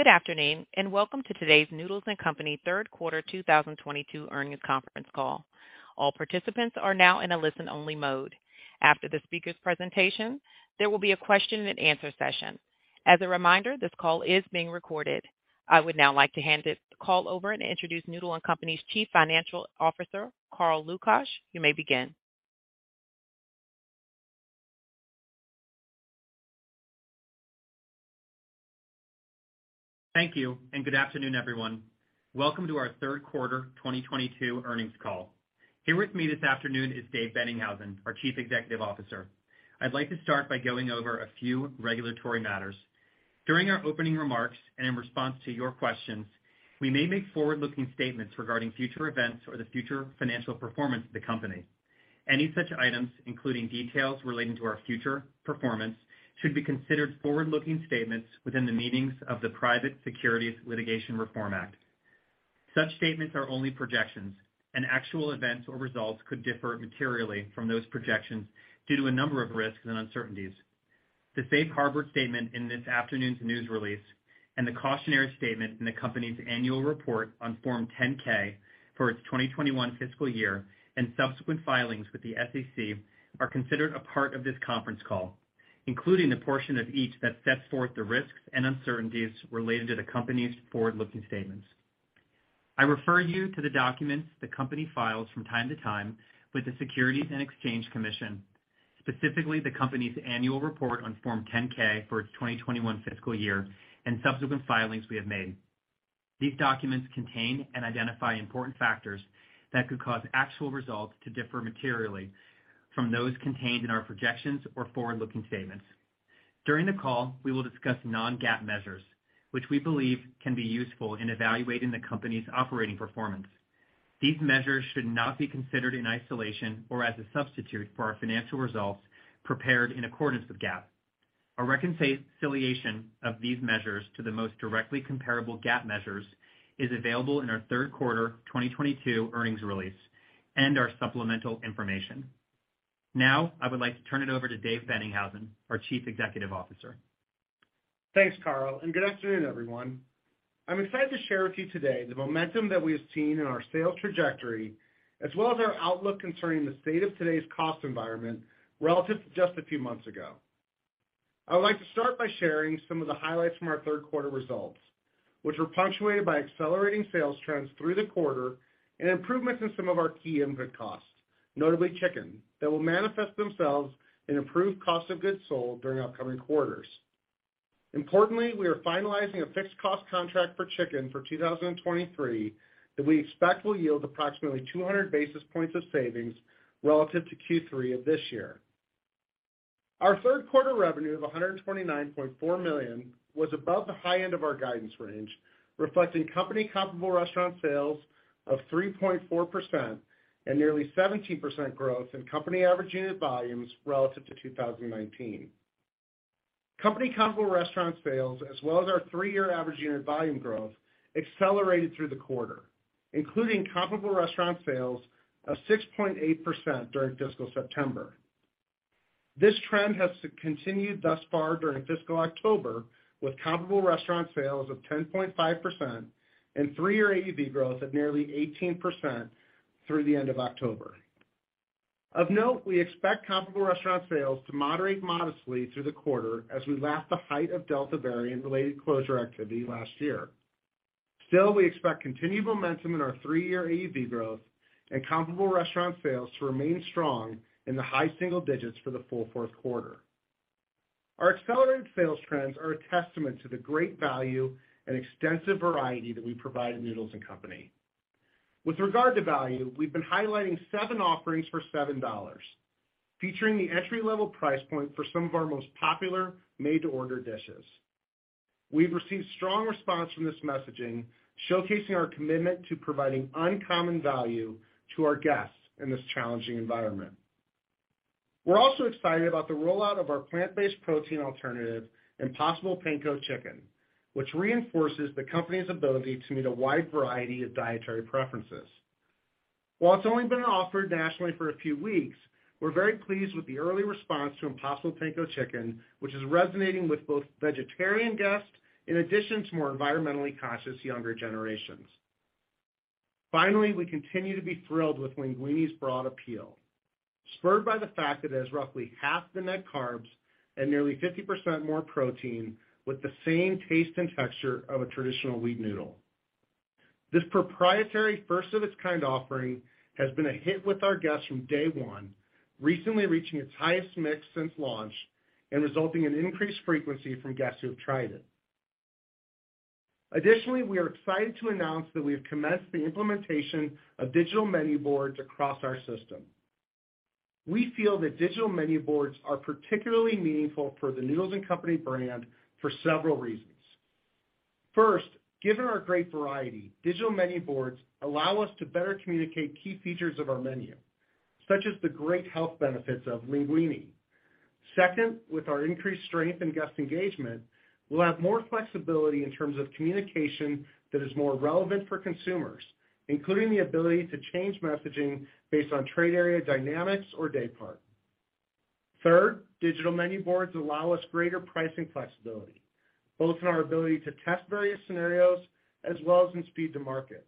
Good afternoon, and welcome to today's Noodles & Company third quarter 2022 earnings conference call. All participants are now in a listen-only mode. After the speaker's presentation, there will be a question and answer session. As a reminder, this call is being recorded. I would now like to hand this call over and introduce Noodles & Company's Chief Financial Officer, Carl Lukach. You may begin. Thank you, and good afternoon, everyone. Welcome to our third quarter 2022 earnings call. Here with me this afternoon is Dave Boenninghausen, our Chief Executive Officer. I'd like to start by going over a few regulatory matters. During our opening remarks and in response to your questions, we may make forward-looking statements regarding future events or the future financial performance of the company. Any such items, including details relating to our future performance, should be considered forward-looking statements within the meanings of the Private Securities Litigation Reform Act. Such statements are only projections, and actual events or results could differ materially from those projections due to a number of risks and uncertainties. The Safe Harbor statement in this afternoon's news release and the cautionary statement in the company's annual report on Form 10-K for its 2021 fiscal year and subsequent filings with the SEC are considered a part of this conference call, including the portion of each that sets forth the risks and uncertainties related to the company's forward-looking statements. I refer you to the documents the company files from time to time with the Securities and Exchange Commission, specifically the company's annual report on Form 10-K for its 2021 fiscal year and subsequent filings we have made. These documents contain and identify important factors that could cause actual results to differ materially from those contained in our projections or forward-looking statements. During the call, we will discuss non-GAAP measures, which we believe can be useful in evaluating the company's operating performance. These measures should not be considered in isolation or as a substitute for our financial results prepared in accordance with GAAP. A reconciliation of these measures to the most directly comparable GAAP measures is available in our third quarter 2022 earnings release and our supplemental information. Now, I would like to turn it over to Dave Boenninghausen, our Chief Executive Officer. Thanks, Carl, and good afternoon, everyone. I'm excited to share with you today the momentum that we have seen in our sales trajectory, as well as our outlook concerning the state of today's cost environment relative to just a few months ago. I would like to start by sharing some of the highlights from our third quarter results, which were punctuated by accelerating sales trends through the quarter and improvements in some of our key input costs, notably chicken, that will manifest themselves in improved cost of goods sold during upcoming quarters. Importantly, we are finalizing a fixed cost contract for chicken for 2023 that we expect will yield approximately 200 basis points of savings relative to Q3 of this year. Our third quarter revenue of $129.4 million was above the high end of our guidance range, reflecting company comparable restaurant sales of 3.4% and nearly 17% growth in company average unit volumes relative to 2019. Company comparable restaurant sales, as well as our three-year average unit volume growth, accelerated through the quarter, including comparable restaurant sales of 6.8% during fiscal September. This trend has continued thus far during fiscal October, with comparable restaurant sales of 10.5% and three-year AUV growth of nearly 18% through the end of October. Of note, we expect comparable restaurant sales to moderate modestly through the quarter as we lap the height of Delta variant-related closure activity last year. Still, we expect continued momentum in our three-year AUV growth and comparable restaurant sales to remain strong in the high single digits for the full fourth quarter. Our accelerated sales trends are a testament to the great value and extensive variety that we provide at Noodles & Company. With regard to value, we've been highlighting seven offerings for $7, featuring the entry-level price point for some of our most popular made-to-order dishes. We've received strong response from this messaging, showcasing our commitment to providing uncommon value to our guests in this challenging environment. We're also excited about the rollout of our plant-based protein alternative, Impossible Panko Chicken, which reinforces the company's ability to meet a wide variety of dietary preferences. While it's only been offered nationally for a few weeks, we're very pleased with the early response to Impossible Panko Chicken, which is resonating with both vegetarian guests in addition to more environmentally conscious younger generations. Finally, we continue to be thrilled with LEANguini's broad appeal, spurred by the fact that it has roughly half the net carbs and nearly 50% more protein with the same taste and texture of a traditional wheat noodle. This proprietary first-of-its-kind offering has been a hit with our guests from day one, recently reaching its highest mix since launch and resulting in increased frequency from guests who have tried it. Additionally, we are excited to announce that we have commenced the implementation of digital menu boards across our system. We feel that digital menu boards are particularly meaningful for the Noodles & Company brand for several reasons. First, given our great variety, digital menu boards allow us to better communicate key features of our menu, such as the great health benefits of LEANguini. Second, with our increased strength in guest engagement, we'll have more flexibility in terms of communication that is more relevant for consumers, including the ability to change messaging based on trade area dynamics or day part. Third, digital menu boards allow us greater pricing flexibility, both in our ability to test various scenarios as well as in speed to market.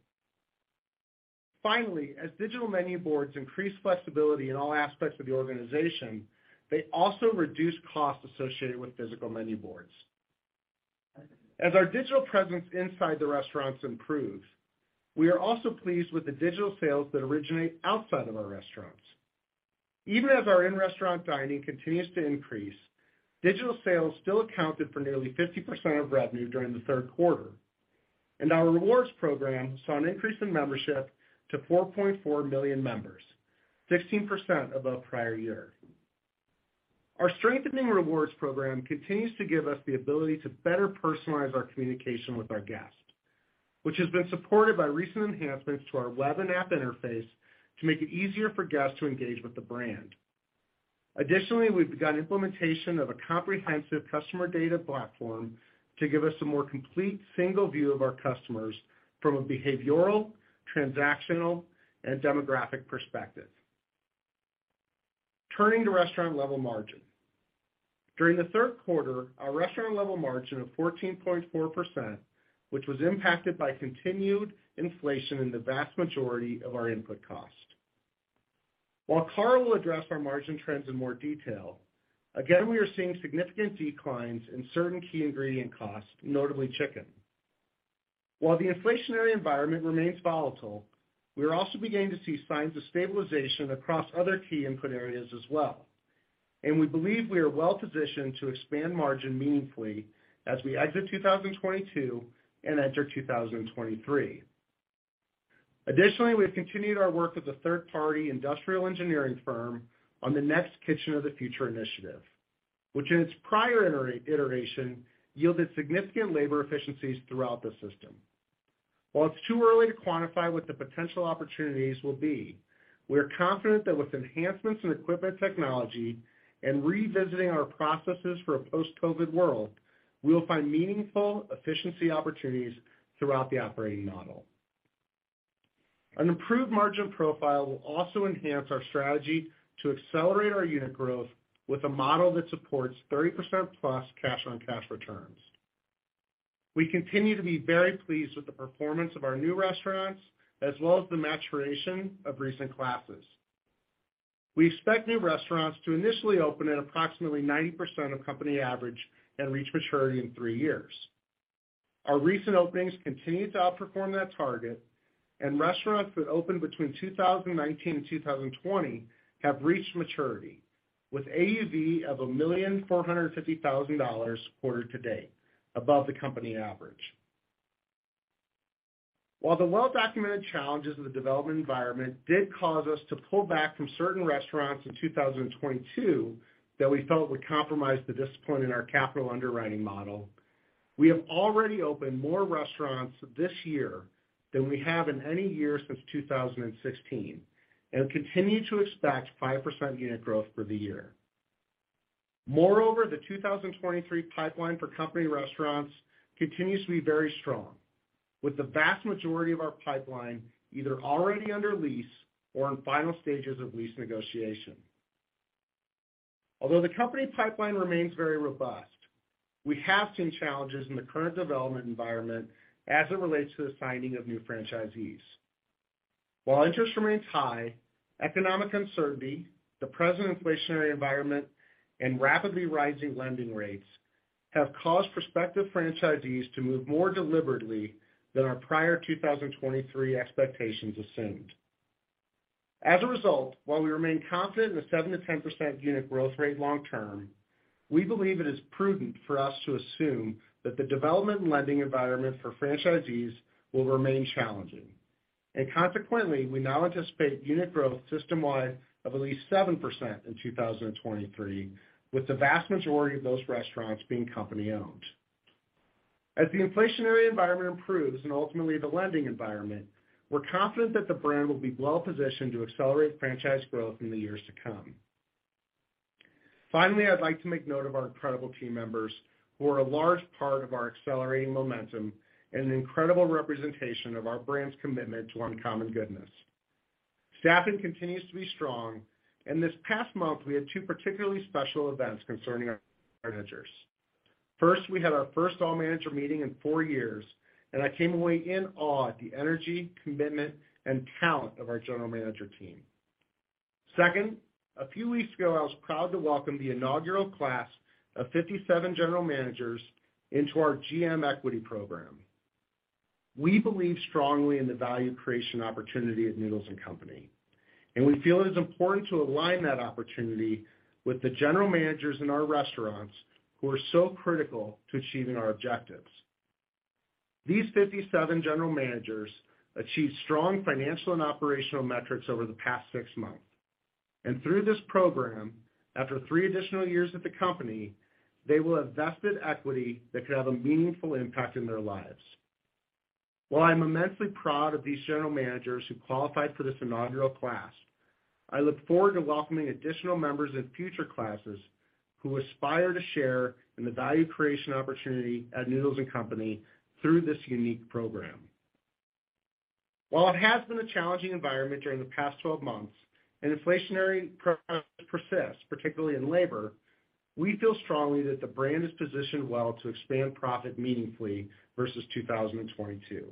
Finally, as digital menu boards increase flexibility in all aspects of the organization, they also reduce costs associated with physical menu boards. As our digital presence inside the restaurants improves, we are also pleased with the digital sales that originate outside of our restaurants. Even as our in-restaurant dining continues to increase, digital sales still accounted for nearly 50% of revenue during the third quarter, and our rewards program saw an increase in membership to 4.4 million members, 16% above prior year. Our strengthening rewards program continues to give us the ability to better personalize our communication with our guests, which has been supported by recent enhancements to our web and app interface to make it easier for guests to engage with the brand. Additionally, we've begun implementation of a comprehensive customer data platform to give us a more complete single view of our customers from a behavioral, transactional, and demographic perspective. Turning to restaurant level margin. During the third quarter, our restaurant level margin of 14.4%, which was impacted by continued inflation in the vast majority of our input costs. While Carl will address our margin trends in more detail, again, we are seeing significant declines in certain key ingredient costs, notably chicken. While the inflationary environment remains volatile, we are also beginning to see signs of stabilization across other key input areas as well. We believe we are well positioned to expand margin meaningfully as we exit 2022 and enter 2023. Additionally, we have continued our work with a third-party industrial engineering firm on the next Kitchen of the Future initiative, which in its prior iteration yielded significant labor efficiencies throughout the system. While it's too early to quantify what the potential opportunities will be, we are confident that with enhancements in equipment technology and revisiting our processes for a post-COVID world, we will find meaningful efficiency opportunities throughout the operating model. An improved margin profile will also enhance our strategy to accelerate our unit growth with a model that supports 30%+ cash-on-cash returns. We continue to be very pleased with the performance of our new restaurants, as well as the maturation of recent classes. We expect new restaurants to initially open at approximately 90% of company average and reach maturity in 3 years. Our recent openings continue to outperform that target, and restaurants that opened between 2019 and 2020 have reached maturity with AUV of $1.45 million quarter to date above the company average. While the well-documented challenges of the development environment did cause us to pull back from certain restaurants in 2022 that we felt would compromise the discipline in our capital underwriting model, we have already opened more restaurants this year than we have in any year since 2016, and continue to expect 5% unit growth for the year. Moreover, the 2023 pipeline for company restaurants continues to be very strong, with the vast majority of our pipeline either already under lease or in final stages of lease negotiation. Although the company pipeline remains very robust, we have seen challenges in the current development environment as it relates to the signing of new franchisees. While interest remains high, economic uncertainty, the present inflationary environment, and rapidly rising lending rates have caused prospective franchisees to move more deliberately than our prior 2023 expectations assumed. As a result, while we remain confident in the 7%-10% unit growth rate long term, we believe it is prudent for us to assume that the development and lending environment for franchisees will remain challenging. Consequently, we now anticipate unit growth system-wide of at least 7% in 2023, with the vast majority of those restaurants being company-owned. As the inflationary environment improves and ultimately the lending environment, we're confident that the brand will be well positioned to accelerate franchise growth in the years to come. Finally, I'd like to make note of our incredible team members who are a large part of our accelerating momentum and an incredible representation of our brand's commitment to uncommon goodness. Staffing continues to be strong, and this past month, we had two particularly special events concerning our managers. First, we had our first all-manager meeting in four years, and I came away in awe at the energy, commitment, and talent of our general manager team. Second, a few weeks ago, I was proud to welcome the inaugural class of 57 general managers into our GM Equity program. We believe strongly in the value creation opportunity at Noodles & Company, and we feel it is important to align that opportunity with the general managers in our restaurants who are so critical to achieving our objectives. These 57 general managers achieved strong financial and operational metrics over the past six months, and through this program, after three additional years with the company, they will have vested equity that could have a meaningful impact in their lives. While I'm immensely proud of these general managers who qualified for this inaugural class, I look forward to welcoming additional members in future classes who aspire to share in the value creation opportunity at Noodles & Company through this unique program. While it has been a challenging environment during the past 12 months and inflationary pressures persist, particularly in labor, we feel strongly that the brand is positioned well to expand profit meaningfully versus 2022.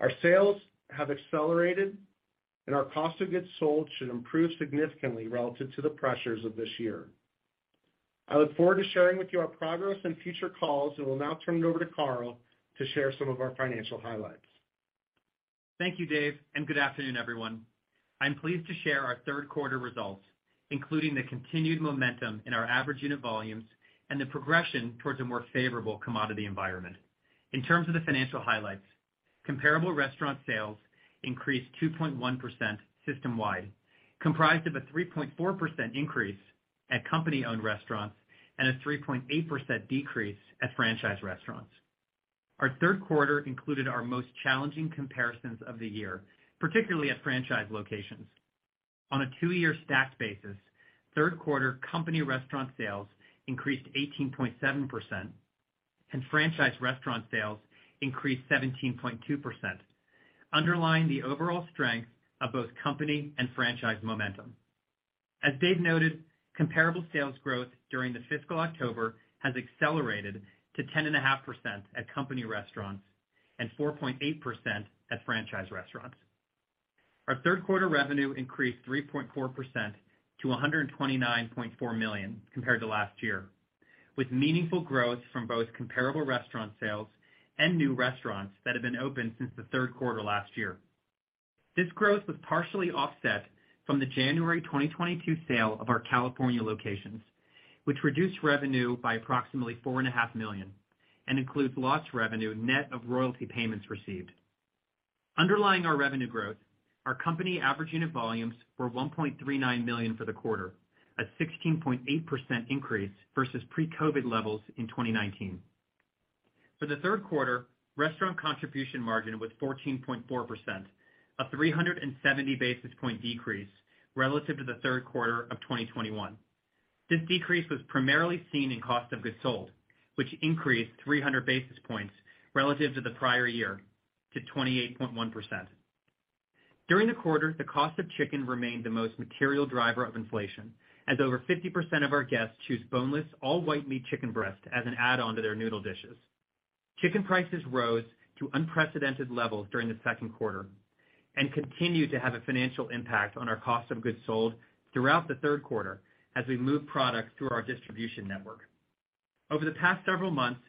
Our sales have accelerated and our cost of goods sold should improve significantly relative to the pressures of this year. I look forward to sharing with you our progress in future calls and will now turn it over to Carl to share some of our financial highlights. Thank you, Dave, and good afternoon, everyone. I'm pleased to share our third quarter results, including the continued momentum in our average unit volumes and the progression towards a more favorable commodity environment. In terms of the financial highlights, comparable restaurant sales increased 2.1% system-wide, comprised of a 3.4% increase at company-owned restaurants and a 3.8% decrease at franchise restaurants. Our third quarter included our most challenging comparisons of the year, particularly at franchise locations. On a two-year stacked basis, third quarter company restaurant sales increased 18.7% and franchise restaurant sales increased 17.2%, underlying the overall strength of both company and franchise momentum. As Dave noted, comparable sales growth during the fiscal October has accelerated to 10.5% at company restaurants and 4.8% at franchise restaurants. Our third quarter revenue increased 3.4% to $129.4 million compared to last year, with meaningful growth from both comparable restaurant sales and new restaurants that have been open since the third quarter last year. This growth was partially offset from the January 2022 sale of our California locations, which reduced revenue by approximately $4.5 million and includes lost revenue net of royalty payments received. Underlying our revenue growth, our company average unit volumes were $1.39 million for the quarter, a 16.8% increase versus pre-COVID levels in 2019. For the third quarter, restaurant contribution margin was 14.4%, a 370 basis points decrease relative to the third quarter of 2021. This decrease was primarily seen in cost of goods sold, which increased 300 basis points relative to the prior year to 28.1%. During the quarter, the cost of chicken remained the most material driver of inflation, as over 50% of our guests choose boneless all white meat chicken breast as an add-on to their noodle dishes. Chicken prices rose to unprecedented levels during the second quarter and continued to have a financial impact on our cost of goods sold throughout the third quarter as we moved products through our distribution network. Over the past several months,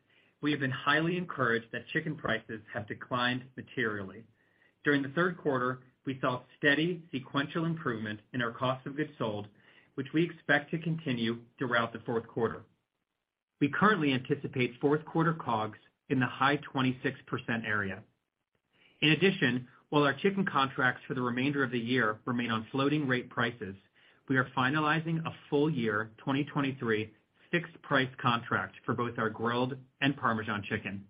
we have been highly encouraged that chicken prices have declined materially. During the third quarter, we saw steady sequential improvement in our cost of goods sold, which we expect to continue throughout the fourth quarter. We currently anticipate fourth quarter COGS in the high 26% area. While our chicken contracts for the remainder of the year remain on floating rate prices, we are finalizing a full year 2023 fixed price contract for both our grilled and Chicken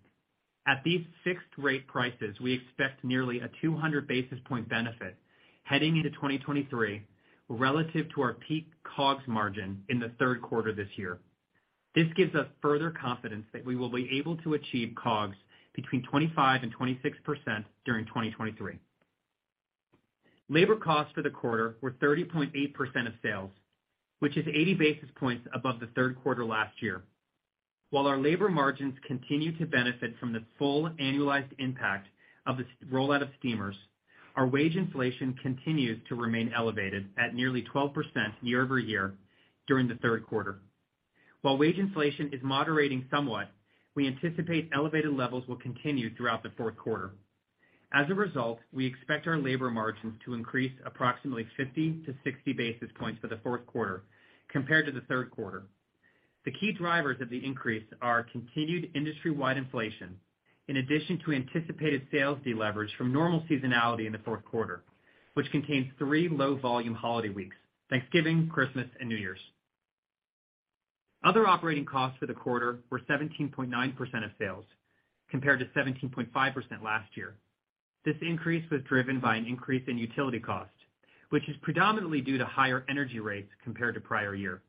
Parmesan. At these fixed rate prices, we expect nearly a 200 basis point benefit heading into 2023 relative to our peak COGS margin in the third quarter this year. This gives us further confidence that we will be able to achieve COGS between 25% and 26% during 2023. Labor costs for the quarter were 30.8% of sales, which is 80 basis points above the third quarter last year. While our labor margins continue to benefit from the full annualized impact of the steamer rollout of steamers, our wage inflation continues to remain elevated at nearly 12% year-over-year during the third quarter. While wage inflation is moderating somewhat, we anticipate elevated levels will continue throughout the fourth quarter. As a result, we expect our labor margins to increase approximately 50-60 basis points for the fourth quarter compared to the third quarter. The key drivers of the increase are continued industry-wide inflation, in addition to anticipated sales deleverage from normal seasonality in the fourth quarter, which contains three low volume holiday weeks, Thanksgiving, Christmas, and New Year's. Other operating costs for the quarter were 17.9% of sales, compared to 17.5% last year. This increase was driven by an increase in utility costs, which is predominantly due to higher energy rates compared to prior year.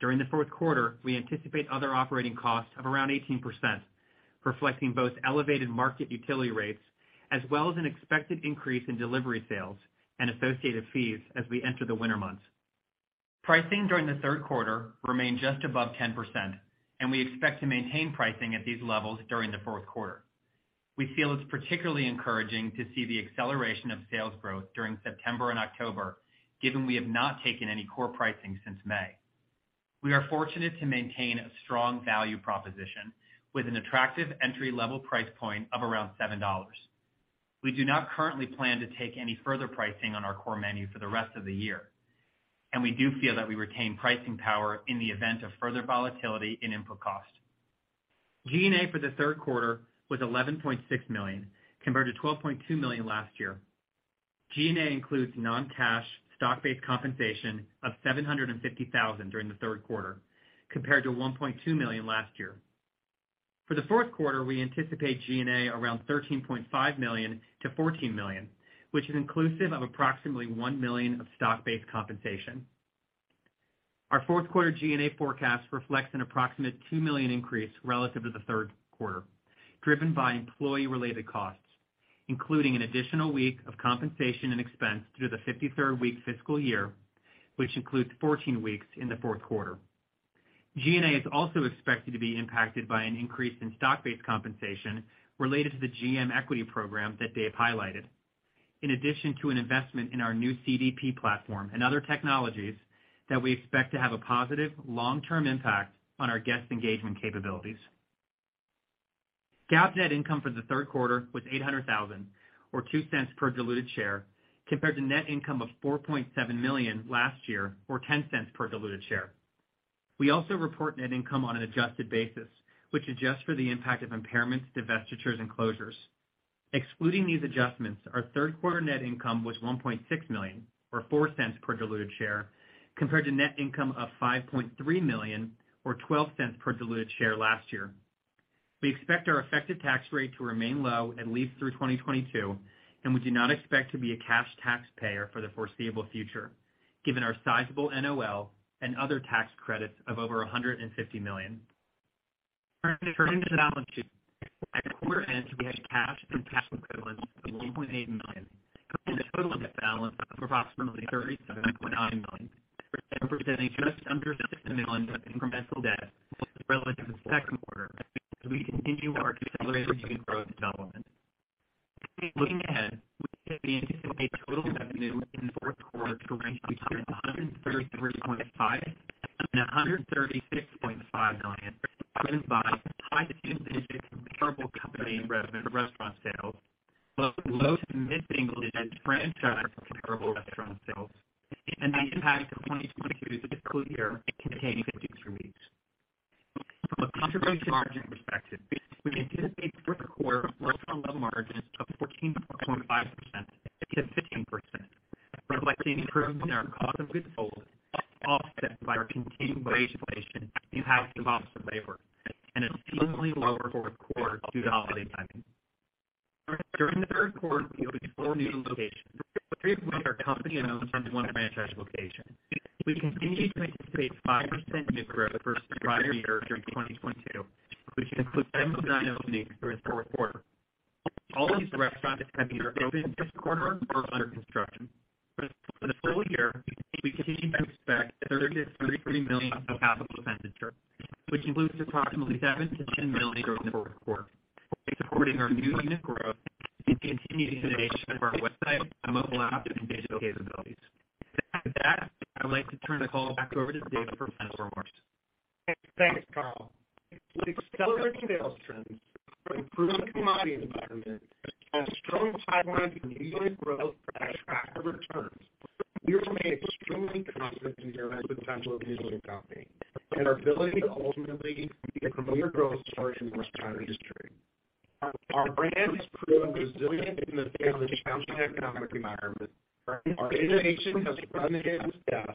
During the fourth quarter, we anticipate other operating costs of around 18%, reflecting both elevated market utility rates as well as an expected increase in delivery sales and associated fees as we enter the winter months. Pricing during the third quarter remained just above 10%, and we expect to maintain pricing at these levels during the fourth quarter. We feel it's particularly encouraging to see the acceleration of sales growth during September and October, given we have not taken any core pricing since May. We are fortunate to maintain a strong value proposition with an attractive entry-level price point of around $7. We do not currently plan to take any further pricing on our core menu for the rest of the year, and we do feel that we retain pricing power in the event of further volatility in input costs. G&A for the third quarter was $11.6 million, compared to $12.2 million last year. G&A includes non-cash stock-based compensation of $750,000 during the third quarter, compared to $1.2 million last year. For the fourth quarter, we anticipate G&A around $13.5 million-$14 million, which is inclusive of approximately $1 million of stock-based compensation. Our fourth quarter G&A forecast reflects an approximate $2 million increase relative to the third quarter, driven by employee related costs, including an additional week of compensation and expense due to the 53rd week fiscal year, which includes 14 weeks in the fourth quarter. G&A is also expected to be impacted by an increase in stock-based compensation related to the GM Equity program that Dave highlighted, in addition to an investment in our new CDP platform and other technologies that we expect to have a positive long-term impact on our guest engagement capabilities. GAAP net income for the third quarter was $800,000 or $0.02 per diluted share, compared to net income of $4.7 million last year or $0.10 per diluted share. We also report net income on an adjusted basis, which adjusts for the impact of impairments, divestitures, and closures. Excluding these adjustments, our third quarter net income was $1.6 million or $0.04 per diluted share, compared to net income of $5.3 million or $0.12 per diluted share last year. We expect our effective tax rate to remain low at least through 2022, and we do not expect to be a cash taxpayer for the foreseeable future, given our sizable NOL and other tax credits of over $150 million. Turning to balance sheet. At quarter end, we had cash and cash equivalents of $1.8 million, and a total debt balance of approximately $37.9 million, representing just under $6 million of incremental debt relative to the second quarter as we continue our accelerated unit growth development. Looking ahead, we anticipate total revenue in the fourth quarter to range between $133.5 million and $136.5 million, driven by high single digits comparable company revenue for restaurant sales, both low to mid-single digits franchise comparable restaurant sales, and the impact of 2022's fiscal year containing 53 weeks. From a contribution margin perspective, we anticipate fourth quarter restaurant level margins of 14.5%-15%, reflecting improvement in our cost of goods sold, offset by our continued wage inflation and higher costs of labor and a seasonally lower fourth quarter due to holiday timing. During the third quarter, we opened four new locations, three of which are company-owned and one franchise location. We continue to anticipate 5% unit growth for the entire year during 2022, which includes 7-9 openings during the fourth quarter. All of these restaurants have either opened this quarter or are under construction. For the full year, we continue to expect $30 million-$33 million of capital expenditures, which includes approximately $7 million-$10 million during the fourth quarter, supporting our new unit growth and continued innovation of our website, mobile app, and digital capabilities. With that, I would like to turn the call back over to Dave for final remarks. Thanks, Carl. With accelerating sales trends, an improving commodity environment and a strong pipeline of unit growth and attractive returns, we remain extremely confident in the growth potential of Noodles & Company and our ability to ultimately be a premier growth story in the restaurant industry. Our brand has proven resilient in the challenging economic environment. Our innovation has resonated with guests,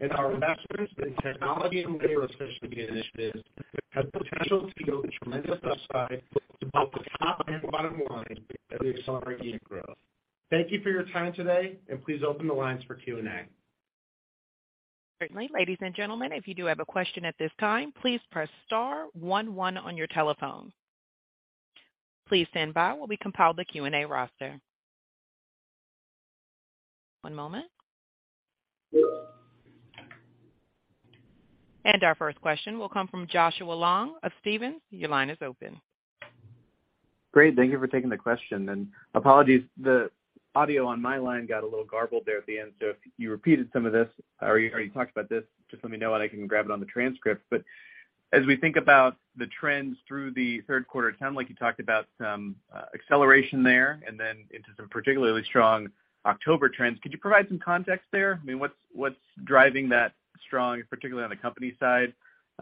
and our investments in technology and labor efficiency initiatives have potential to yield tremendous upside to both the top and bottom line as we accelerate unit growth. Thank you for your time today, and please open the lines for Q&A. Certainly. Ladies and gentlemen, if you do have a question at this time, please press star one one on your telephone. Please stand by while we compile the Q&A roster. One moment. Our first question will come from Joshua Long of Stephens. Your line is open. Great. Thank you for taking the question. Apologies, the audio on my line got a little garbled there at the end. So if you repeated some of this or you talked about this, just let me know, and I can grab it on the transcript. As we think about the trends through the third quarter, it sounded like you talked about some acceleration there and then into some particularly strong October trends. Could you provide some context there? I mean, what's driving that strong, particularly on the company side,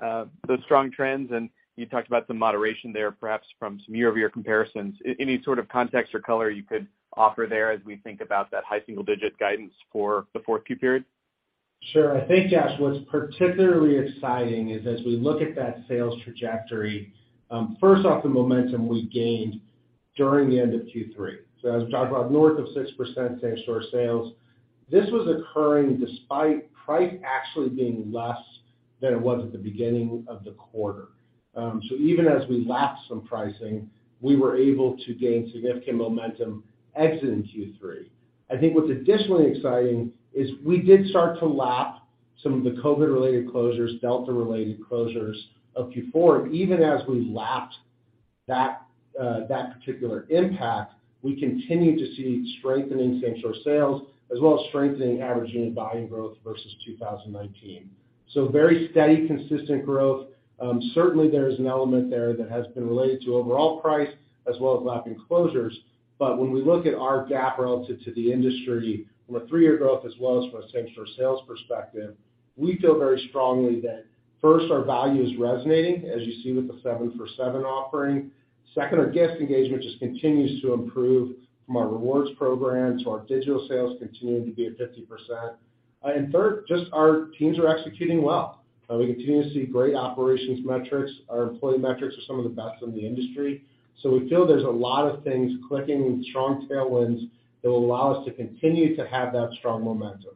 those strong trends? You talked about some moderation there, perhaps from some year-over-year comparisons. Any sort of context or color you could offer there as we think about that high single digit guidance for the fourth Q period? Sure. I think, Josh, what's particularly exciting is as we look at that sales trajectory, first off, the momentum we gained during the end of Q3. As Josh brought north of 6% same-store sales, this was occurring despite price actually being less than it was at the beginning of the quarter. Even as we lapped some pricing, we were able to gain significant momentum exiting Q3. I think what's additionally exciting is we did start to lap some of the COVID related closures, Delta related closures of Q4. Even as we lapped that particular impact, we continued to see strengthening same-store sales as well as strengthening average unit volume growth versus 2019. Very steady, consistent growth. Certainly there is an element there that has been related to overall price as well as lapping closures. When we look at our gap relative to the industry from a three-year growth as well as from a same-store sales perspective, we feel very strongly that, first, our value is resonating, as you see with the seven for seven offering. Second, our guest engagement just continues to improve from our rewards programs to our digital sales continuing to be at 50%. Third, just our teams are executing well. We continue to see great operations metrics. Our employee metrics are some of the best in the industry. We feel there's a lot of things clicking with strong tailwinds that will allow us to continue to have that strong momentum.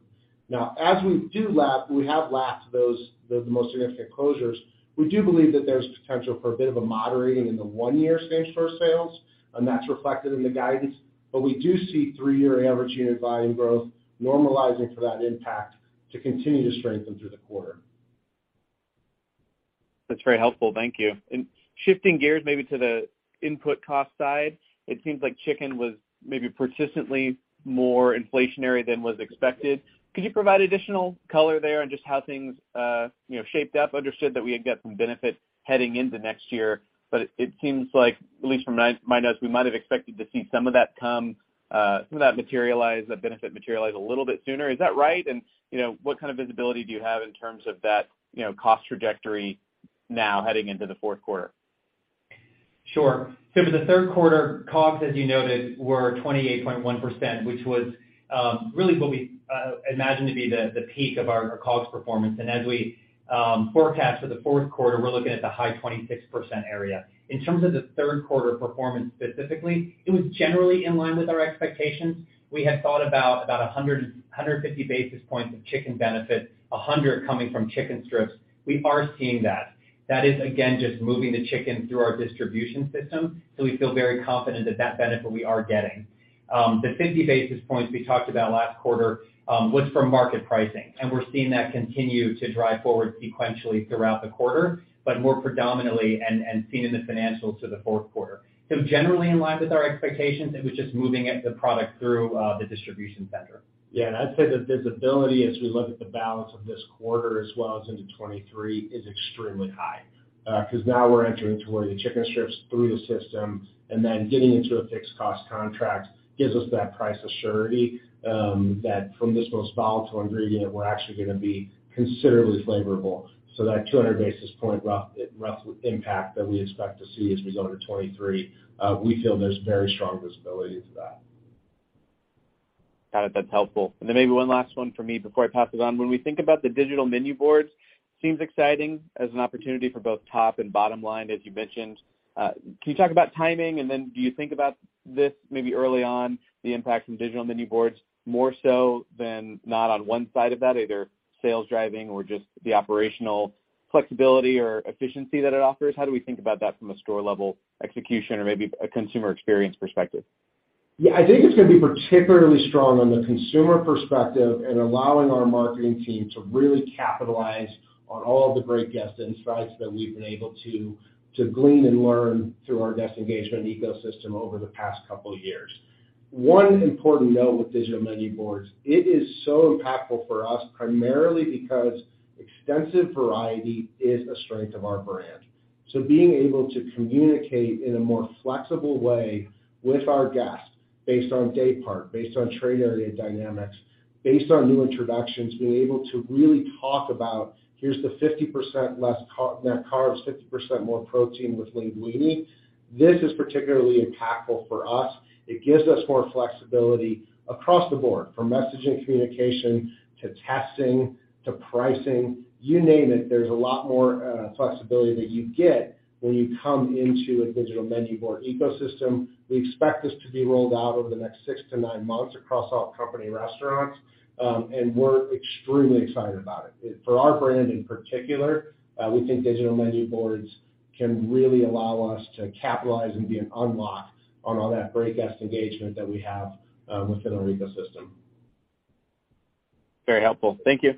Now, as we lap, we have lapped those most significant closures. We do believe that there's potential for a bit of a moderating in the one-year same store sales, and that's reflected in the guidance. We do see three-year average unit volume growth normalizing for that impact to continue to strengthen through the quarter. That's very helpful. Thank you. Shifting gears maybe to the input cost side, it seems like chicken was maybe persistently more inflationary than was expected. Could you provide additional color there on just how things, you know, shaped up? Understood that we had got some benefit heading into next year, but it seems like, at least from my notes, we might have expected to see some of that benefit materialize a little bit sooner. Is that right? What kind of visibility do you have in terms of that, you know, cost trajectory now heading into the fourth quarter? Sure. For the third quarter, COGS, as you noted, were 28.1%, which was really what we imagined to be the peak of our COGS performance. As we forecast for the fourth quarter, we're looking at the high 26% area. In terms of the third quarter performance specifically, it was generally in line with our expectations. We had thought about 150 basis points of chicken benefit, 100 coming from chicken strips. We are seeing that. That is, again, just moving the chicken through our distribution system, so we feel very confident that benefit we are getting. The 50 basis points we talked about last quarter was from market pricing, and we're seeing that continue to drive forward sequentially throughout the quarter, but more predominantly and seen in the financials to the fourth quarter. Generally in line with our expectations, it was just moving the product through the distribution center. Yeah, I'd say the visibility as we look at the balance of this quarter as well as into 2023 is extremely high. Because now we're entering toward the chicken strips through the system and then getting into a fixed cost contract gives us that price surety, that from this most volatile ingredient, we're actually gonna be considerably favorable. That 200 basis point rough impact that we expect to see as we go to 2023, we feel there's very strong visibility to that. Got it. That's helpful. Maybe one last one for me before I pass it on. When we think about the digital menu boards, seems exciting as an opportunity for both top and bottom line, as you mentioned. Can you talk about timing? Do you think about this maybe early on, the impact from digital menu boards more so than not on one side of that, either sales driving or just the operational flexibility or efficiency that it offers? How do we think about that from a store level execution or maybe a consumer experience perspective? Yeah. I think it's gonna be particularly strong on the consumer perspective and allowing our marketing team to really capitalize on all the great guest insights that we've been able to glean and learn through our guest engagement ecosystem over the past couple years. One important note with digital menu boards, it is so impactful for us primarily because extensive variety is a strength of our brand. Being able to communicate in a more flexible way with our guests based on day part, based on trade area dynamics, based on new introductions, being able to really talk about here's the 50% less net carbs, 50% more protein with LEANguini. This is particularly impactful for us. It gives us more flexibility across the board, from messaging communication to testing to pricing, you name it. There's a lot more flexibility that you get when you come into a digital menu board ecosystem. We expect this to be rolled out over the next 6-9 months across all company restaurants, and we're extremely excited about it. For our brand in particular, we think digital menu boards can really allow us to capitalize and be an unlock on all that great guest engagement that we have within our ecosystem. Very helpful. Thank you.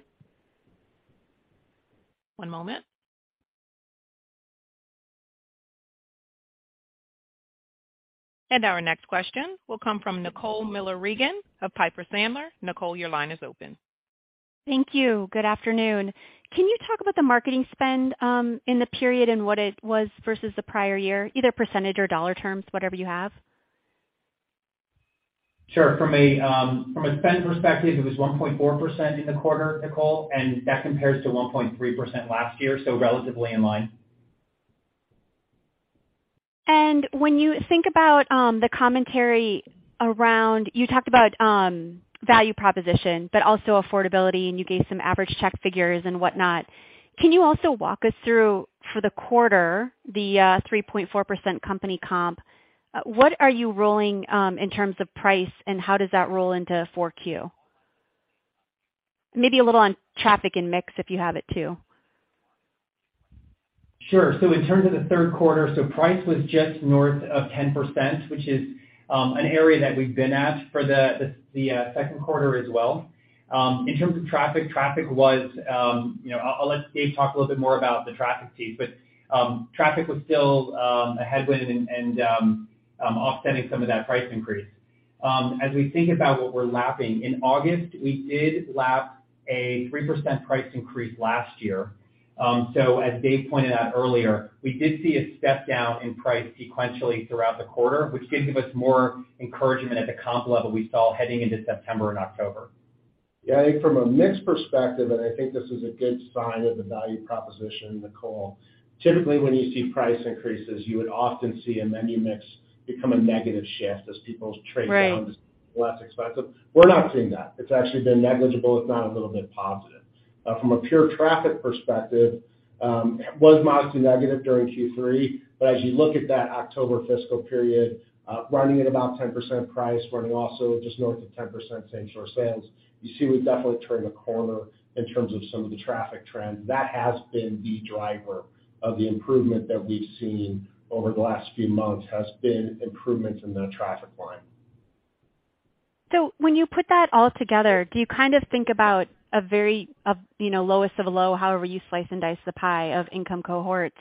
One moment. Our next question will come from Nicole Miller Regan of Piper Sandler. Nicole, your line is open. Thank you. Good afternoon. Can you talk about the marketing spend in the period and what it was versus the prior year, either percentage or dollar terms, whatever you have? Sure. From a spend perspective, it was 1.4% in the quarter, Nicole, and that compares to 1.3% last year, so relatively in line. When you think about the commentary around you talked about value proposition, but also affordability, and you gave some average check figures and whatnot. Can you also walk us through, for the quarter, the 3.4% company comp? What are you rolling in terms of price, and how does that roll into 4Q? Maybe a little on traffic and mix if you have it too. Sure. In terms of the third quarter, price was just north of 10%, which is an area that we've been at for the second quarter as well. In terms of traffic, I'll let Dave talk a little bit more about the traffic piece, but traffic was still a headwind and offsetting some of that price increase. As we think about what we're lapping, in August, we did lap a 3% price increase last year. As Dave pointed out earlier, we did see a step down in price sequentially throughout the quarter, which gives us more encouragement at the comp level we saw heading into September and October. Yeah. I think from a mix perspective, and I think this is a good sign of the value proposition, Nicole. Typically, when you see price increases, you would often see a menu mix become a negative shift as people trade down. Right Less expensive. We're not seeing that. It's actually been negligible, if not a little bit positive. From a pure traffic perspective, it was modestly negative during Q3. As you look at that October fiscal period, running at about 10% price, running also just north of 10% same-store sales, you see we've definitely turned a corner in terms of some of the traffic trends. That has been the driver of the improvement that we've seen over the last few months, has been improvements in that traffic line. When you put that all together, do you kind of think about the very, you know, lowest of the low, however you slice and dice the pie of income cohorts,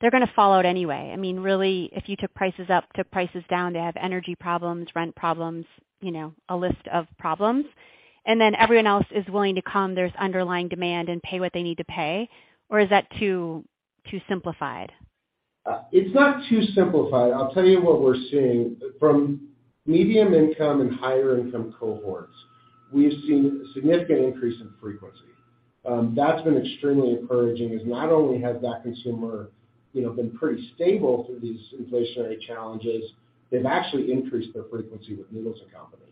they're gonna fall out anyway? I mean, really, if you took prices up, took prices down, they have energy problems, rent problems, you know, a list of problems. Then everyone else is willing to come, there's underlying demand and pay what they need to pay. Or is that too simplified? It's not too simplified. I'll tell you what we're seeing. From medium income and higher income cohorts, we've seen a significant increase in frequency. That's been extremely encouraging. Not only has that consumer, you know, been pretty stable through these inflationary challenges, they've actually increased their frequency with Noodles & Company.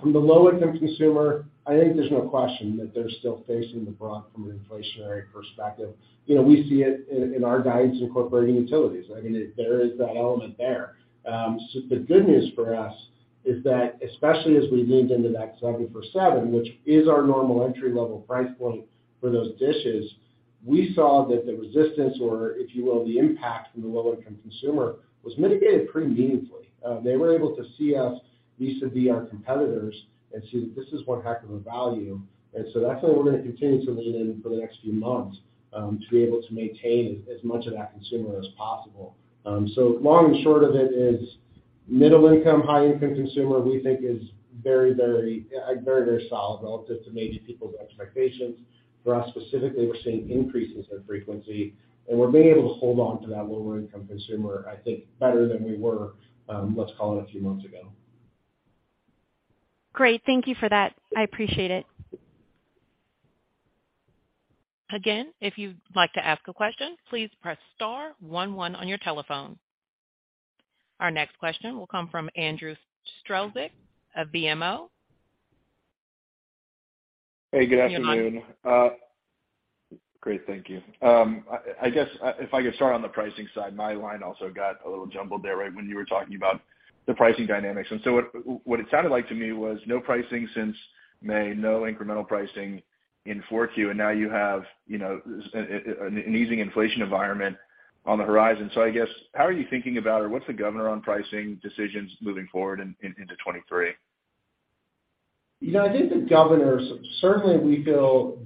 From the low income consumer, I think there's no question that they're still facing the brunt from an inflationary perspective. You know, we see it in our guidance incorporating utilities. I mean, there is that element there. So the good news for us is that, especially as we leaned into that seven for seven, which is our normal entry-level price point for those dishes, we saw that the resistance, or if you will, the impact from the low income consumer was mitigated pretty meaningfully. They were able to see us vis-à-vis our competitors and see that this is one heck of a value. That's what we're gonna continue to lean in for the next few months to be able to maintain as much of that consumer as possible. Long and short of it is middle income, high income consumer, we think is very solid relative to maybe people's expectations. For us specifically, we're seeing increases in frequency, and we're being able to hold on to that lower income consumer, I think, better than we were, let's call it a few months ago. Great. Thank you for that. I appreciate it. Again, if you'd like to ask a question, please press star one one on your telephone. Our next question will come from Andrew Strelzik of BMO. Hey, good afternoon. You're on. Great. Thank you. I guess if I could start on the pricing side. My line also got a little jumbled there right when you were talking about the pricing dynamics. What it sounded like to me was no pricing since May, no incremental pricing in 4Q. Now you have, you know, an easing inflation environment on the horizon. I guess how are you thinking about, or what's the governor on pricing decisions moving forward into 2023? You know, I think the governor, certainly we feel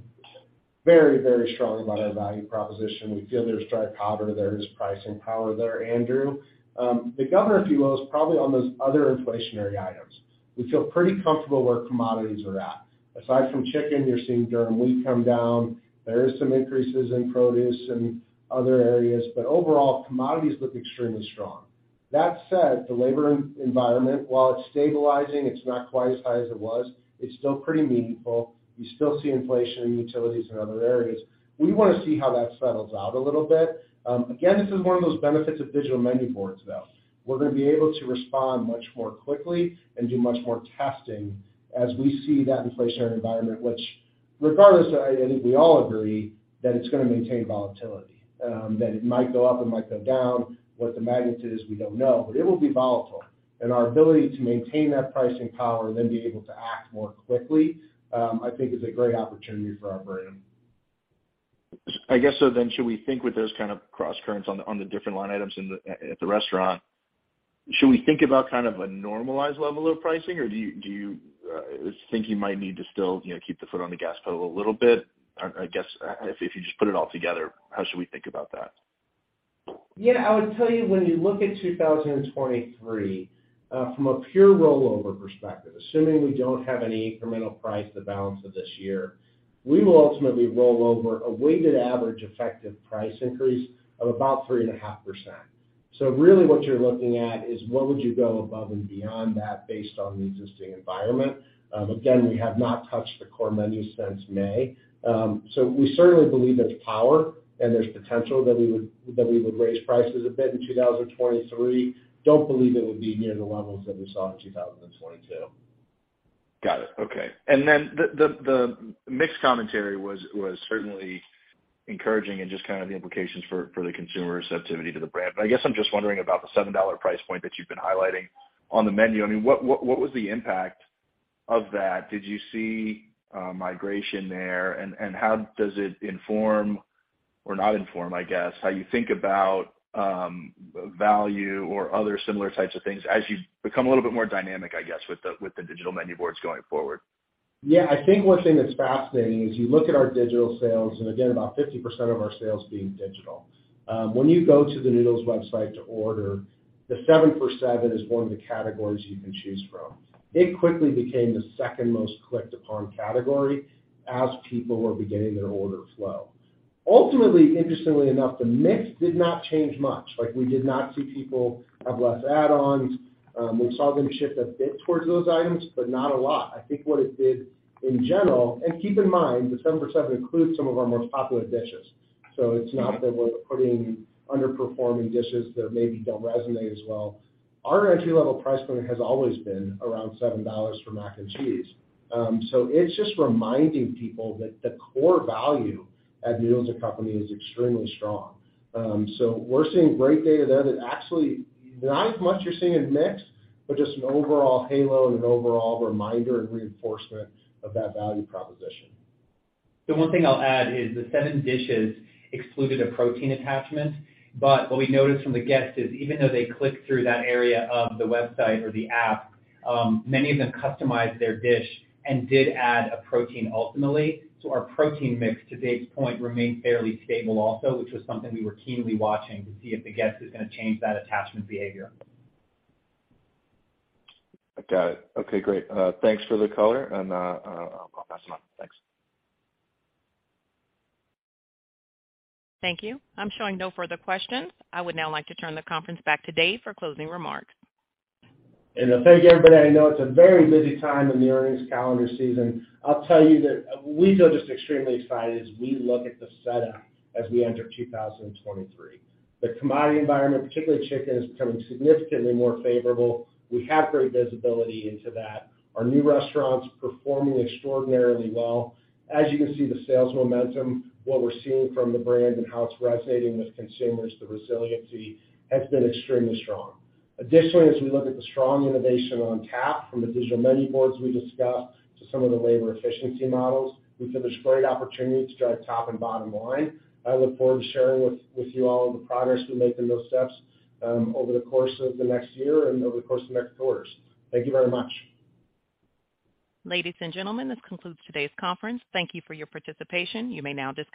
very, very strongly about our value proposition. We feel there's drive power, there is pricing power there, Andrew. The governor, if you will, is probably on those other inflationary items. We feel pretty comfortable where commodities are at. Aside from chicken, you're seeing durum wheat come down. There is some increases in produce and other areas, but overall, commodities look extremely strong. That said, the labor environment, while it's stabilizing, it's not quite as high as it was, it's still pretty meaningful. We still see inflation in utilities and other areas. We wanna see how that settles out a little bit. Again, this is one of those benefits of digital menu boards, though. We're gonna be able to respond much more quickly and do much more testing as we see that inflationary environment, which regardless, I think we all agree that it's gonna maintain volatility, that it might go up, it might go down. What the magnitude is, we don't know, but it will be volatile. Our ability to maintain that pricing power, then be able to act more quickly, I think is a great opportunity for our brand. I guess, should we think with those kind of crosscurrents on the different line items at the restaurant, should we think about kind of a normalized level of pricing, or do you think you might need to still, you know, keep the foot on the gas pedal a little bit? I guess if you just put it all together, how should we think about that? Yeah. I would tell you, when you look at 2023, from a pure rollover perspective, assuming we don't have any incremental pricing for the balance of this year, we will ultimately roll over a weighted average effective price increase of about 3.5%. Really what you're looking at is what would you go above and beyond that based on the existing environment. Again, we have not touched the core menu since May. We certainly believe there's power and there's potential that we would raise prices a bit in 2023. Don't believe it would be near the levels that we saw in 2022. Got it. Okay. The mix commentary was certainly encouraging and just kind of the implications for the consumer sensitivity to the brand. I guess I'm just wondering about the $7 price point that you've been highlighting on the menu. I mean, what was the impact of that? Did you see migration there? And how does it inform or not inform, I guess, how you think about value or other similar types of things as you become a little bit more dynamic, I guess, with the digital menu boards going forward? Yeah. I think one thing that's fascinating is you look at our digital sales, and again, about 50% of our sales being digital. When you go to the Noodles website to order, the 7 for 7 is one of the categories you can choose from. It quickly became the second most clicked upon category as people were beginning their order flow. Ultimately, interestingly enough, the mix did not change much. Like we did not see people have less add-ons. We saw them shift a bit towards those items, but not a lot. I think what it did in general. Keep in mind, the 7 for 7 includes some of our most popular dishes. It's not that we're putting underperforming dishes that maybe don't resonate as well. Our entry-level price point has always been around $7 for Mac & Cheese. It's just reminding people that the core value at Noodles & Company is extremely strong. We're seeing great data that is actually not as much you're seeing in mix, but just an overall halo and an overall reminder and reinforcement of that value proposition. The one thing I'll add is the seven dishes excluded a protein attachment. What we noticed from the guests is even though they clicked through that area of the website or the app, many of them customized their dish and did add a protein ultimately to our protein mix, to Dave's point, remained fairly stable also, which was something we were keenly watching to see if the guest is gonna change that attachment behavior. I got it. Okay, great. Thanks for the color, and I'll pass them on. Thanks. Thank you. I'm showing no further questions. I would now like to turn the conference back to Dave for closing remarks. Thank you, everybody. I know it's a very busy time in the earnings calendar season. I'll tell you that, we feel just extremely excited as we look at the setup as we enter 2023. The commodity environment, particularly chicken, is becoming significantly more favorable. We have great visibility into that. Our new restaurants performing extraordinarily well. As you can see, the sales momentum, what we're seeing from the brand and how it's resonating with consumers, the resiliency has been extremely strong. Additionally, as we look at the strong innovation on tap from the digital menu boards we discussed to some of the labor efficiency models, we feel there's great opportunity to drive top and bottom line. I look forward to sharing with you all the progress we make in those steps, over the course of the next year and over the course of the next quarters. Thank you very much. Ladies and gentlemen, this concludes today's conference. Thank you for your participation. You may now disconnect.